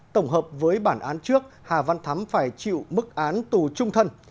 tổng hợp với bản án trước hà văn thắm phải chịu mức án tù trung thân